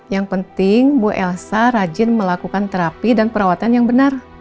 yang penting bu elsa rajin melakukan terapi dan perawatan yang benar